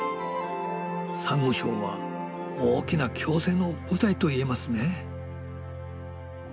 サンゴ礁は大きな共生の舞台と言えますね。